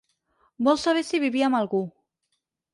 Vol saber si vivia amb algú.